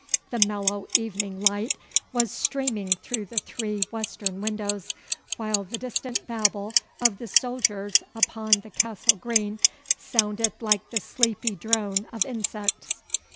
The mellow evening light was streaming through the three western windows, while the distant babble of the soldiers upon the Castle Green sounded like the sleepy drone of insects.